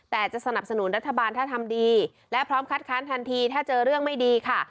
แต่จะสนับสนุนรัฐบาลถ้าทำดีและพร้อมคัดค้านทันทีถ้าเจอเรื่องไม่ดีค่ะ